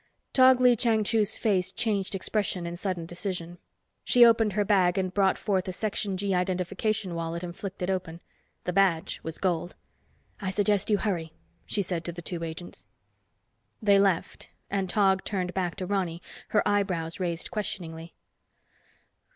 Tog Lee Chang Chu's face changed expression in sudden decision. She opened her bag and brought forth a Section G identification wallet and flicked it open. The badge was gold. "I suggest you hurry," she said to the two agents. They left, and Tog turned back to Ronny, her eyebrows raised questioningly.